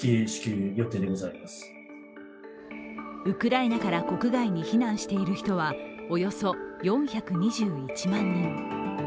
ウクライナから国外に避難している人は、およそ４２１万人。